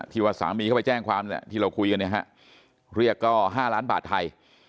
ว่าสามีเขาไปแจ้งความที่เราคุยกันเนี่ยฮะเรียกก็๕ล้านบาทไทย